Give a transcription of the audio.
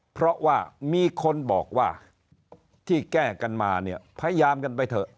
เพราะว่ามีคนบอกว่าที่แก้กันมาเนี่ยพยายามกันไปเถอะ